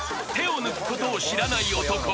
［手を抜くことを知らない男］